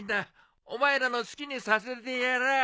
お前らの好きにさせてやらあ。